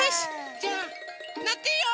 じゃあのっていいよ！